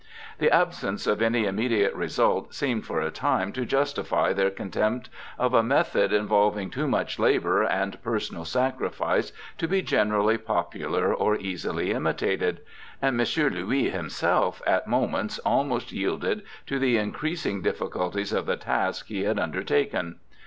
The absence of any immediate result seemed for a time to justify their con tempt of a method involving too much labour and per sonal sacrifice to be generally popular or easily imitated ; and M. Louis himself, at moments, almost yielded to the increasing difficulties of the task he had undertaken.